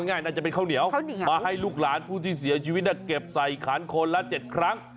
ง่ายน่าจะเป็นข้าวเหนียวมาให้ลูกหลานผู้ที่เสียชีวิตเก็บใส่ขันคนละ๗ครั้ง